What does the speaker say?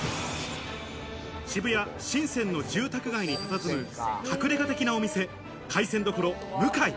渋谷・神泉の住宅街にたたずむ隠れ家的なお店、海鮮処向井。